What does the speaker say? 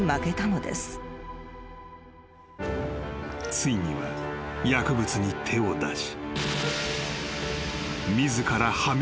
［ついには薬物に手を出し］